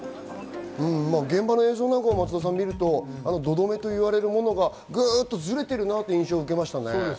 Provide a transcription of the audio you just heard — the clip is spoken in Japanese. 現場の映像なんかを見ると土留めといわれるものがグッとずれている印象を受けましたね。